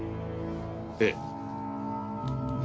ええ！